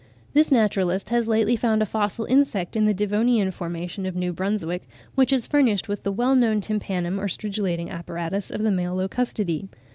This naturalist has lately found a fossil insect in the Devonian formation of New Brunswick, which is furnished with "the well known tympanum or stridulating apparatus of the male Locustidae."